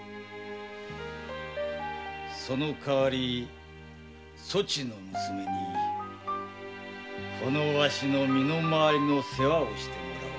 その代わりそちの娘にわしの身の回りの世話をしてもらおう。